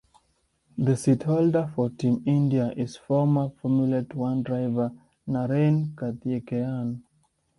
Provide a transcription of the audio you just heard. The seatholder for Team India is former Formula One driver Narain Karthikeyan.